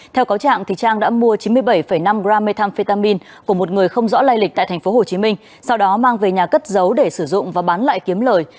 theo cáo trạng trang đã mua chín mươi bảy năm gram methamphetamine của một người không rõ lai lịch tại tp hcm sau đó mang về nhà cất giấu để sử dụng và bán lại kiếm lời